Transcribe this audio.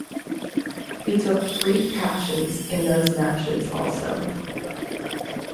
He took three catches in those matches also.